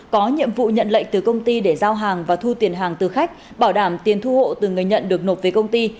có nhiệm vụ nhận lệnh từ công ty để giao hàng và thu tiền hàng từ khách bảo đảm tiền thu hộ từ người nhận được nộp về công ty